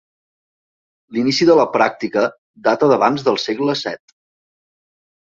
L'inici de la pràctica data d'abans del segle VII.